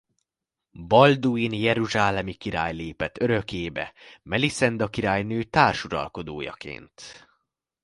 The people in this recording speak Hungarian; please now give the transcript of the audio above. Balduin jeruzsálemi király lépett örökébe Melisenda királynő társuralkodójaként.